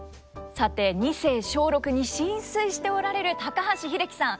さて二世松緑に心酔しておられる高橋英樹さん。